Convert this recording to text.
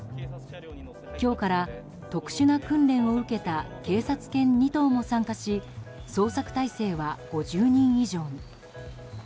今日から特殊な訓練受けた警察犬２頭も参加し捜索態勢は５０人以上に。